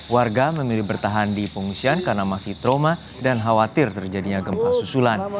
warga memilih bertahan di pengungsian karena masih trauma dan khawatir terjadinya gempa susulan